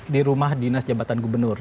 di rumah dinas jabatan gubernur